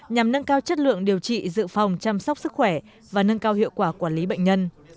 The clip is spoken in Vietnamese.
nhằm nâng cao chất lượng điều trị dự phòng chăm sóc sức khỏe và nâng cao hiệu quả quản lý bệnh nhân